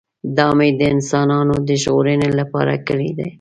دا مې د انسانانو د ژغورنې لپاره کړی دی.